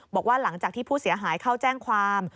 บอกว่าหลังจากที่ผู้เสียหายเข้าแจ้งความ